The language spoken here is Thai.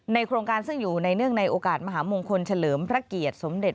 โครงการซึ่งอยู่ในเนื่องในโอกาสมหามงคลเฉลิมพระเกียรติสมเด็จ